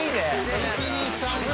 １２３４